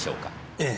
ええ。